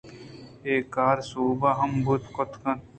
اے کار سُہب ءَ ہم بوت کُتگ اَت